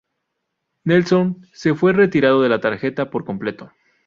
Nelson se fue retirado de la tarjeta por completo.